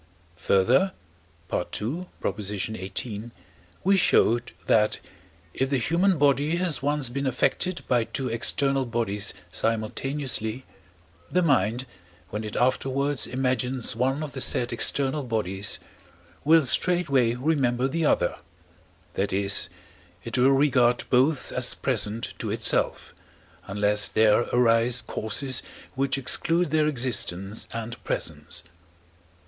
Further (II. xviii.), we showed that, if the human body has once been affected by two external bodies simultaneously, the mind, when it afterwards imagines one of the said external bodies, will straightway remember the other that is, it will regard both as present to itself, unless there arise causes which exclude their existence and presence.